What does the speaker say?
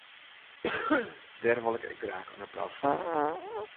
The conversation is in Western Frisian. Dêr wol ik ek graach in applaus foar.